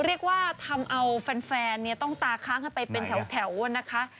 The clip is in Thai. เรียกว่าทำเอาแฟนต้องตาค้างกันไปเป็นแถวนะคะ